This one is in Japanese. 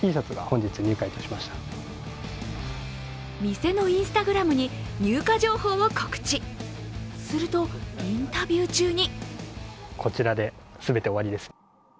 店のＩｎｓｔａｇｒａｍに入荷情報を告知するとインタビュー中に。